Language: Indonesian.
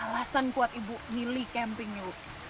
alasan kuat ibu milih camping yuk